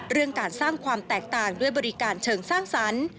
เรื่องการสร้างความแตกต่างด้วยบริการเชิงสร้างสรรค์